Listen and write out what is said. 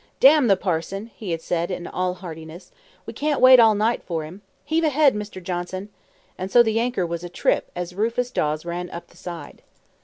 "Damn the parson," he had said, in all heartiness; "we can't wait all night for him. Heave ahead, Mr. Johnson!" And so the anchor was atrip as Rufus Dawes ran up the side.